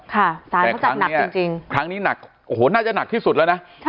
แต่ครั้งนี้หนักโอ้โหน่าจะหนักที่สุดแล้วนะ